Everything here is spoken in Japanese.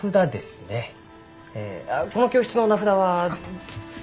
えこの教室の名札は？